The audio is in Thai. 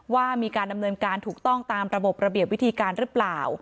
ว่ามีการดำเนินการถูกต้องตามระบบระเบียบวิธีการหรือเปล่า